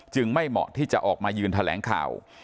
ไม่เหมาะที่จะออกมายืนแถลงข่าว